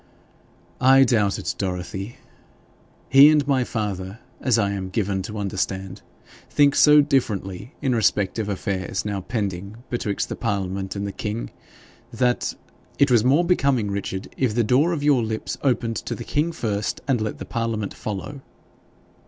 'I doubt it, Dorothy. He and my father, as I am given to understand, think so differently in respect of affairs now pending betwixt the parliament and the king, that ' 'It were more becoming, Richard, if the door of your lips opened to the king first, and let the parliament follow.'